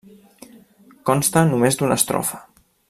Consta només d'una estrofa.